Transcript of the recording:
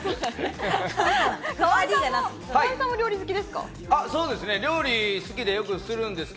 河井さんも料理好きですか？